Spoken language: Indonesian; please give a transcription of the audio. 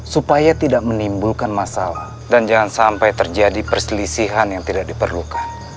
supaya tidak menimbulkan masalah dan jangan sampai terjadi perselisihan yang tidak diperlukan